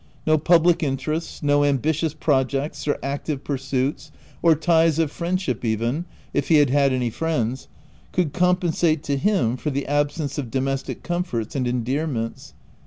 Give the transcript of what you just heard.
No public interests, no ambitious pro jects, or active pursuits, — or ties of friendship even (if he had had any friends,) could com pensate to him for the absence of domestic comforts and endearments.